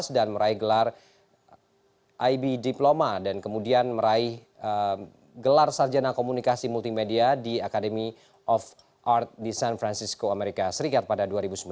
dan meraih gelar ib diploma dan kemudian meraih gelar sarjana komunikasi multimedia di academy of art di san francisco amerika serikat pada dua ribu sembilan belas